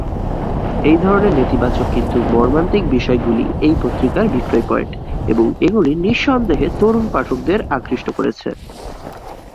এই ধরনের নেতিবাচক কিন্তু মর্মান্তিক বিষয়গুলি এই পত্রিকার বিক্রয় পয়েন্ট এবং এগুলি নিঃসন্দেহে তরুণ পাঠকদের আকৃষ্ট করেছে।